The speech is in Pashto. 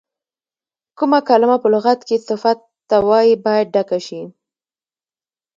کومه کلمه په لغت کې صفت ته وایي باید ډکه شي.